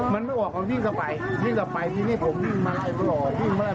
มันไม่ออกมันวิ่งกลับไป